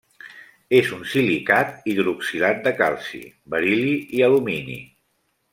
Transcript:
És un silicat hidroxilat de calci, beril·li i alumini.